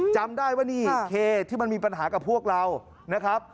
จำได้ว่านี่เคที่มันมีปัญหากับพวกเรานะครับ